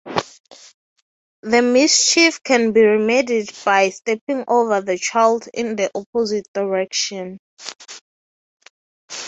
The mischief can be remedied by stepping over the child in the opposite direction.